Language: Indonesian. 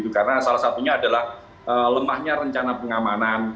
karena salah satunya adalah lemahnya rencana pengamanan